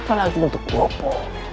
apalagi untuk bobo